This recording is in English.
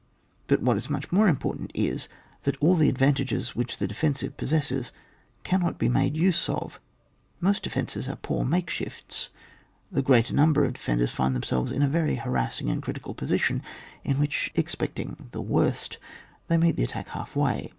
But what is much more impor tant is, that all the advantages which the defensive possesses, cannot be made use of; most defences are poor make shifts ; the greater number of defenders find themselves in a very harassing and critical position, in which, expecting the worst, they meet the attack half way.